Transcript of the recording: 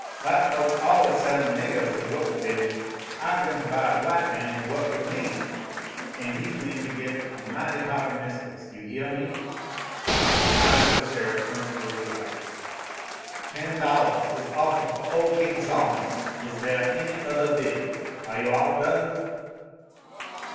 "White folks allers sellin' niggahs to wuk fuh dem; I gwine to buy a white man to wuk fuh me. En he gwine t' git a mighty hard mistiss, you heah me!" The eyes of the sheriff twinkled with delight. "Ten dollahs is offahed foh ole King Sol'mon. Is theah any othah bid. Are you all done?"